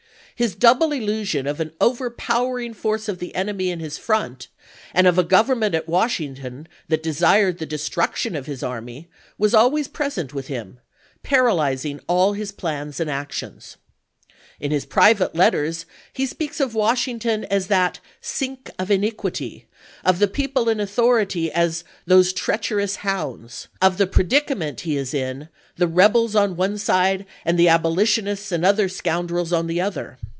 His double illusion of an overpower ing force of the enemy in his front, and of a Gov ernment at Washington that desired the destruction of his army, was always present with him, paralyz ing all his plans and actions. In his private letters he speaks of Washington as that "sink of iniquity"; of the people in authority as " those treacherous hounds "; of the predicament he is in, " the rebels on one side and the Abolitionists and other scoun drels on the other."